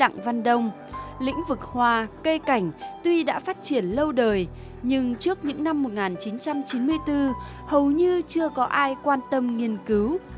cây cảnh tuy đã phát triển lâu đời nhưng trước những năm một nghìn chín trăm chín mươi bốn hầu như chưa có ai quan tâm nghiên cứu